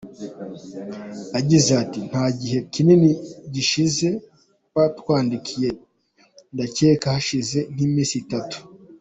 Yagize ati " Nta gihe kinini gishize batwandikiye ndacyeka hashize nk’iminsi itatu.